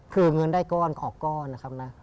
คือเงินได้ก้อนขอก้อนนะครับนะ